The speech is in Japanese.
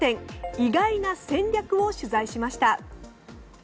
意外な戦略を取材しました。